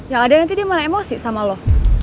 ya ada nanti dia mau emosi sama lo